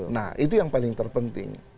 nah itu yang paling terpenting